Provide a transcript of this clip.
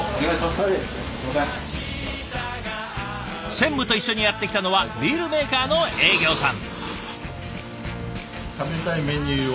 専務と一緒にやってきたのはビールメーカーの営業さん。